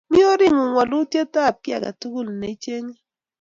Mi oring'ung' walutyet ap kiy ake tukul ne icheng'e